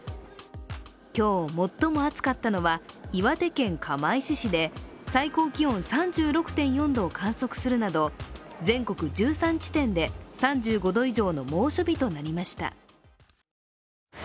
今日、最も暑かったのは岩手県釜石市で最高気温３６．４度を観測するなど全国１３地点で３５度以上の猛暑日となりました。